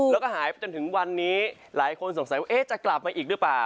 แล้วก็หายไปจนถึงวันนี้หลายคนสงสัยว่าจะกลับมาอีกหรือเปล่า